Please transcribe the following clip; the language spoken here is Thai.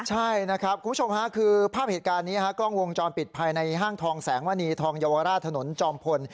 ใช่นะครับคุณผู้ชมค่ะคือภาพเหตุการณ์นี้กล้องวงจรปิดภายในห้างทองแสงมณีทองเยาวราชถนนจอมพล